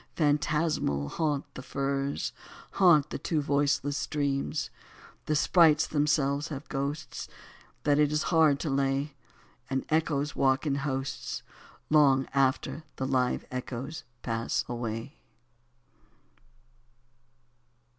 Phantasmal haunt the firs, Haunt the two voiceless streams : The sprites themselves have ghosts That it is hard to lay, And echoes walk in hosts Long after the live echoes pass away.